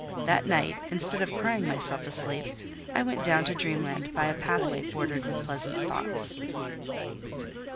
That night—instead of crying myself asleep—I went down to dreamland by a pathway bordered with pleasant thoughts.